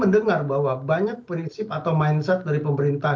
mendengar bahwa banyak prinsip atau mindset dari pemerintah